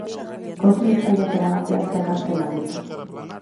Kontsumitzaileak erabaki askeak hartzen al ditu?